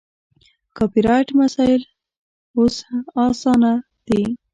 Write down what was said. کاپي رایټ مسایل یې هم اوس اسانه دي.